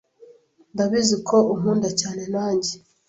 ndabizi ko unkunda cyane nanjye .